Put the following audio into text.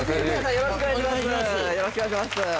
よろしくお願いします。